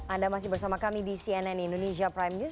anda masih bersama kami di cnn indonesia prime news